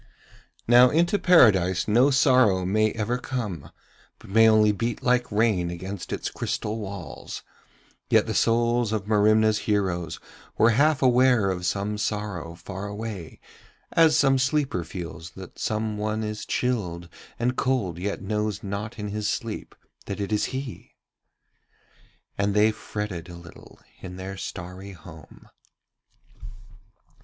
Now into Paradise no sorrow may ever come, but may only beat like rain against its crystal walls, yet the souls of Merimna's heroes were half aware of some sorrow far away as some sleeper feels that some one is chilled and cold yet knows not in his sleep that it is he. And they fretted a little in their starry home.